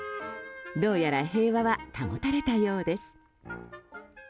どうやら平和は保たれたようです。